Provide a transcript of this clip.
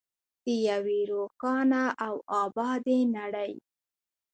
د یوې روښانه او ابادې نړۍ.